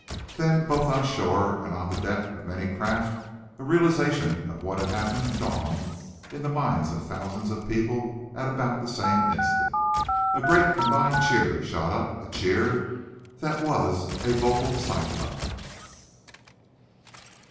Then, both on shore and on the decks of many craft, a realization of what had happened dawned in the minds of thousands of people at about the same instant. A great, combined cheer shot up a cheer that was a vocal cyclone!